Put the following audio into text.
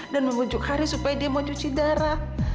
dan memujuk haris supaya dia mau cuci darah